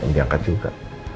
gak diangkat juga